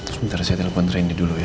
sebentar saya telepon trendy dulu ya